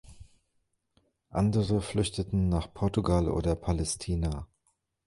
Andere flüchteten nach Portugal oder Palästina.